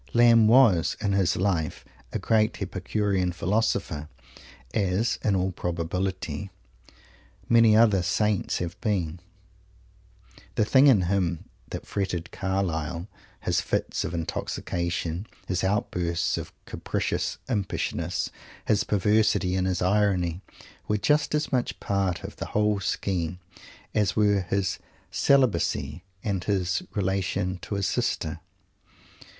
Lamb was, in his life, a great epicurean philosopher, as, in all probability, many other "saints" have been. The things in him that fretted Carlyle, his fits of intoxication, his outbursts of capricious impishness, his perversity and his irony, were just as much part of the whole scheme as were his celibacy and his relation to his sister.